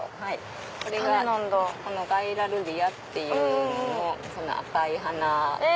これがガイラルディアっていう赤い花が咲くんですけど。